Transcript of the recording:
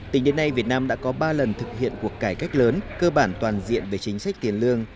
tính đến nay việt nam đã có ba lần thực hiện cuộc cải cách lớn cơ bản toàn diện về chính sách tiền lương